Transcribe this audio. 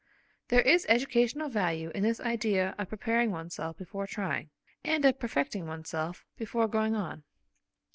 There is educational value in this idea of preparing oneself before trying, and of perfecting oneself before going on.